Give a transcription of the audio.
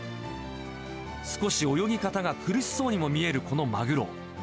少し泳ぎ方が苦しそうにも見えるこのマグロ。